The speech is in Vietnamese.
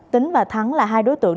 tính và thắng là hai đối tượng